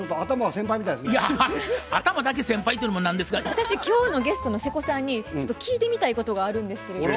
私今日のゲストの瀬古さんにちょっと聞いてみたいことがあるんですけれども。